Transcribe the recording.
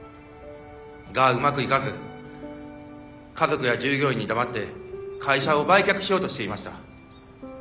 がうまくいかず家族や従業員に黙って会社を売却しようとしていました。